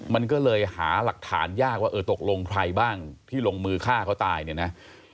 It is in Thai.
มันก็เลยหาหลักฐานยากว่าเออตกลงใครบ้างที่ลงมือฆ่าเขาตายเนี่ยนะ